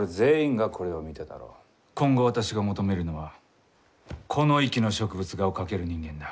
今後私が求めるのはこの域の植物画を描ける人間だ。